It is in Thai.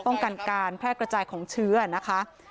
ป้องกันการแพร่กระจายของเชื้อนะคะ